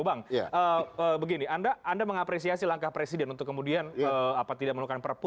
bang begini anda mengapresiasi langkah presiden untuk kemudian tidak menemukan perpu